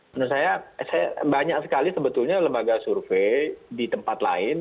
menurut saya banyak sekali sebetulnya lembaga survei di tempat lain